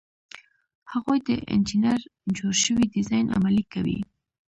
هغوی د انجینر جوړ شوی ډیزاین عملي کوي.